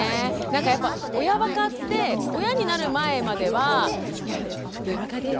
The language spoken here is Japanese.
なんかやっぱ親ばかって親になる前までは「親ばかで」